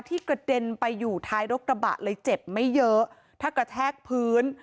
กระเด็นไปอยู่ท้ายรถกระบะเลยเจ็บไม่เยอะถ้ากระแทกพื้น